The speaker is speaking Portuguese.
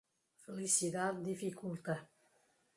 Felicidade dificulta.